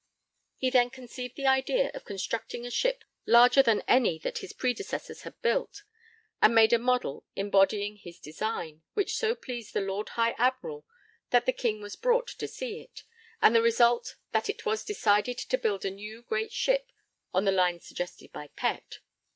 He then conceived the idea of constructing a ship larger than any that his predecessors had built, and made a model embodying his design, which so pleased the Lord High Admiral that the King was brought to see it, with the result that it was decided to build a new great ship on the lines suggested by Pett.